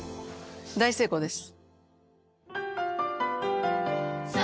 大成功です。